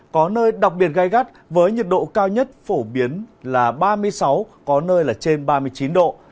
có nơi đặc biệt gai gắt với nhiệt độ cao nhất phổ biến là ba mươi sáu có nơi là trên ba mươi chín độ